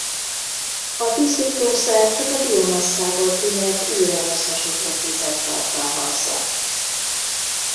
A tisztítószer csak a biomasszából kinyert újrahasznosított vizet tartalmazza.